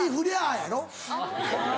やろ？